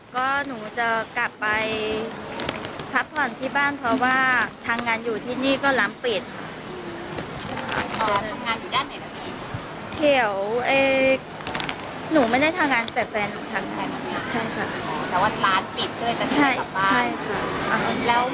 การใช้กดศิษย์วันพิษที่ทำอย่างไรบ้างคะ